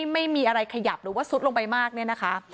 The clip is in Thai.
ไม่มีอะไรขยับหรือว่าซุดลงไปมากเนี่ยนะคะ